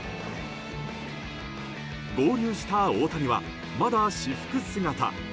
合流した大谷はまだ私服姿。